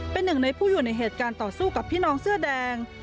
เป็นหนึ่งในผู้อยู่ในเหตุการณ์ต่อสู้กับพี่น้องเสื้อแดง